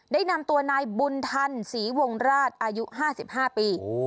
ได้นำตัวนายบุญธันศรีวงราชอายุ๕๕ปี